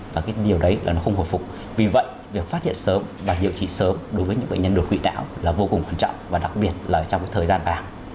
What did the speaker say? và cái điều đấy là nó không hồi phục vì vậy việc phát hiện sớm và điều trị sớm đối với những bệnh nhân đột quỵ não là vô cùng quan trọng và đặc biệt là trong cái thời gian vàng